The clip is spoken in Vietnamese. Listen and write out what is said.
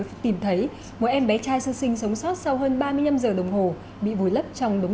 là vừa mới tìm thấy một em bé trai sơ sinh sống sót sau hơn ba mươi năm giờ đồng hồ bị vùi lấp trong đống